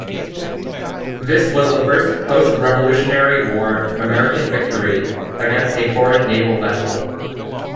This was the first post-Revolutionary War American victory against a foreign naval vessel.